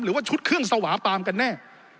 หรือว่าชุดเครื่องสวาปามกันแน่